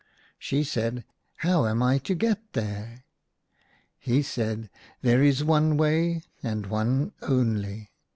She said, " How am I to get there .'*" He said, " There is one way, and one only.